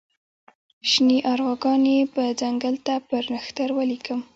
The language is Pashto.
شني ارواګانې به ځنګل ته پر نښتر ولیکم